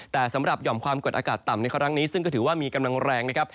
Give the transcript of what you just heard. แต่สำหรับหย่อมความกดอากาศต่ำในครั้งนี้ซึ่งก็ถือว่ามีกำลังแรงนะครับ